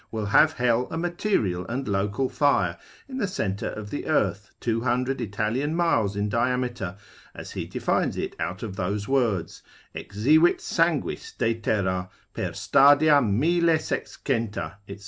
will have hell a material and local fire in the centre of the earth, 200 Italian miles in diameter, as he defines it out of those words, Exivit sanguis de terra—per stadia mille sexcenta, &c.